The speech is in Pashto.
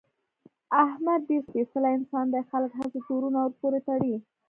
احمد ډېر سپېڅلی انسان دی، خلک هسې تورونه ورپورې تړي.